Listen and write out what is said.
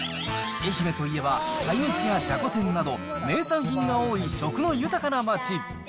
愛媛といえば、鯛めしやじゃこ天など、名産品が多い食の豊かな街。